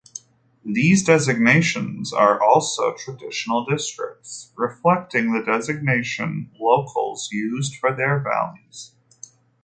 These designations are also traditional districts, reflecting the designations locals used for their valleys.